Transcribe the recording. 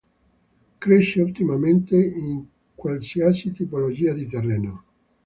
Cresce ottimamente in qualsiasi tipologia di terreno.